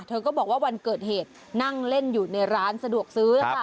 เธอก็บอกว่าวันเกิดเหตุนั่งเล่นอยู่ในร้านสะดวกซื้อค่ะ